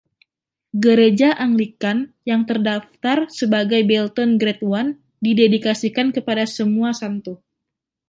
Gereja Anglican yang terdaftar sebagai Belton Grade One didedikasikan kepada Semua Santo.